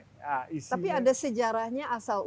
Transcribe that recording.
tapi ada sejarahnya asal usul